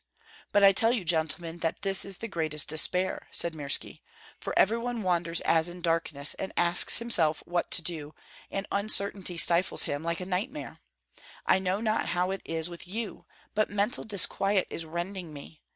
"But I tell you, gentlemen, that this is the greatest despair," said Mirski; "for every one wanders as in darkness, and asks himself what to do, and uncertainty stifles him, like a nightmare. I know not how it is with you, but mental disquiet is rending me.